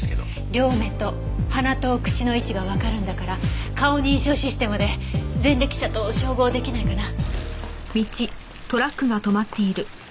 両目と鼻と口の位置がわかるんだから顔認証システムで前歴者と照合出来ないかな？